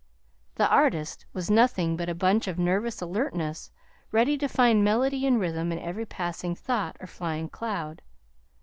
The artist was nothing but a bunch of nervous alertness, ready to find melody and rhythm in every passing thought or flying cloud.